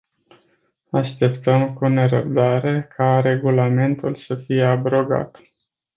Așteptăm cu nerăbdare ca regulamentul să fie abrogat.